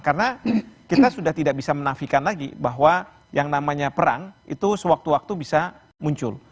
karena kita sudah tidak bisa menafikan lagi bahwa yang namanya perang itu sewaktu waktu bisa muncul